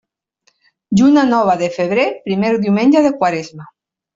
Lluna nova de febrer, primer diumenge de quaresma.